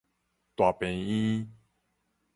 大病院